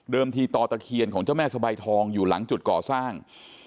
ทีต่อตะเคียนของเจ้าแม่สบายทองอยู่หลังจุดก่อสร้าง